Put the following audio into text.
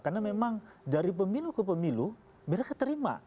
karena memang dari pemilu ke pemilu mereka terima